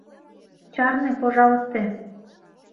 Чарне, пожалысте...